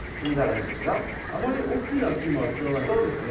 あまり大きな隙間は作らない方がいいですね。